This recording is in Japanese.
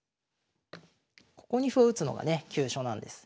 ここに歩を打つのがね急所なんです。